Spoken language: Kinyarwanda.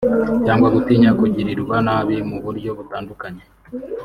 cyangwa gutinya kugirirwa nabi mu buryo butandukanye